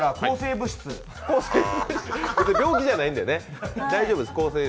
別に病気じゃないんでね。